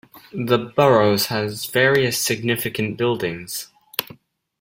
The Burroughs has various significant buildings.